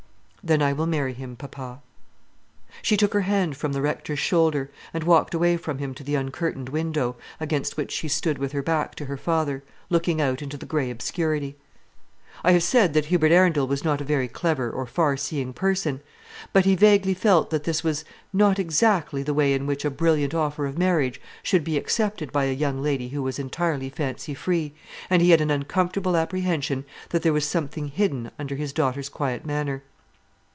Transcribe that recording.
"Then I will marry him, papa." She took her hand from the Rector's shoulder, and walked away from him to the uncurtained window, against which she stood with her back to her father, looking out into the grey obscurity. I have said that Hubert Arundel was not a very clever or far seeing person; but he vaguely felt that this was not exactly the way in which a brilliant offer of marriage should be accepted by a young lady who was entirely fancy free, and he had an uncomfortable apprehension that there was something hidden under his daughter's quiet manner.